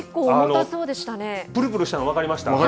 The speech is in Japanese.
ぷるぷるしたの分かりました？